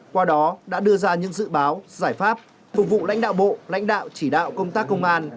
qua đó đã đưa ra những dự báo giải pháp phục vụ lãnh đạo bộ lãnh đạo chỉ đạo công tác công an